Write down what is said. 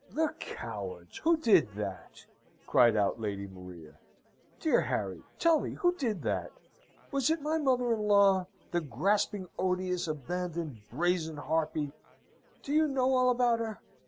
"The cowards! Who did that?" cried out Lady Maria. "Dear Harry, tell me who did that? Was it my mother in law, the grasping, odious, abandoned, brazen harpy? Do you know all about her?